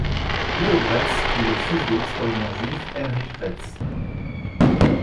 Leo Graetz est le fils de l'historien juif Heinrich Graetz.